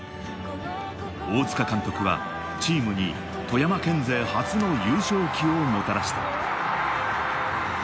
大塚監督は、チームに富山県勢初の優勝旗をもたらした。